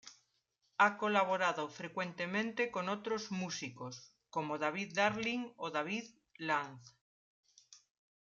Ha colaborado frecuentemente con otros músicos, como David Darling o David Lanz.